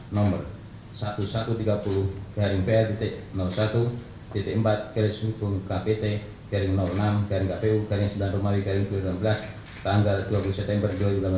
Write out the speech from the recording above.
nomor seribu satu ratus tiga puluh pr satu empat sembilan puluh kpt enam kpu sembilan r dua ribu sembilan belas tanggal dua puluh september dua ribu sembilan belas